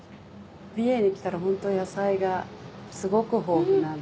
美瑛に来たらホント野菜がすごく豊富なんで。